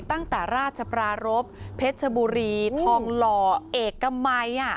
ตั้งแต่ราชปรารบเพชรชบุรีทองหล่อเอกมัย